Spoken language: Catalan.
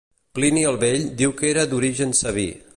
Plini el Vell diu que era d'origen sabí.